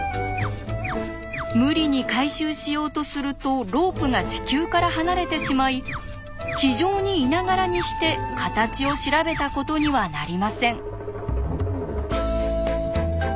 無理に回収しようとするとロープが地球から離れてしまい地上にいながらにして形を調べたことにはなりません。